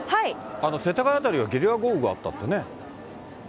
世田谷辺りはゲリラ豪雨があったってね。